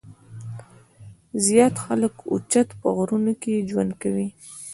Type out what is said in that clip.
زيات خلک اوچت پۀ غرونو کښې ژوند کوي ـ